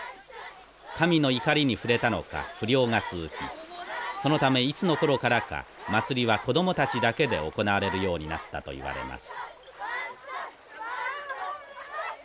神の怒りに触れたのか不漁が続きそのためいつの頃からか祭りは子どもたちだけで行われるようになったといわれます。